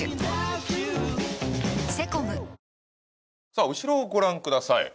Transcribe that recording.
さあ後ろをご覧ください。